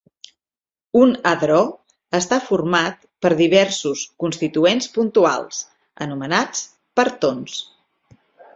Un hadró està format per diversos constituents puntuals, anomenats "partons".